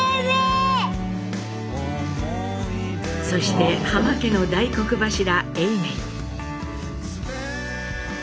そして浜家の大黒柱